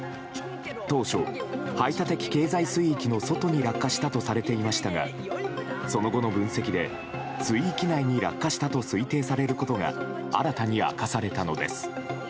当初、排他的経済水域の外に落下したとされていましたがその後の分析で、水域内に落下したと推定されることが新たに明かされたのです。